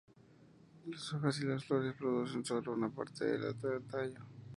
Las hojas y flores se producen solo en la parte alta del tallo.